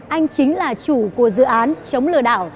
anh chính là chủ của dự án chống lừa đảo